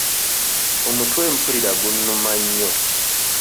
Omutwe mpulira gunnuma nnyo.